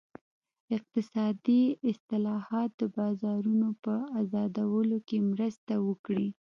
اقتصادي اصلاحات د بازارونو په ازادولو کې مرسته وکړي.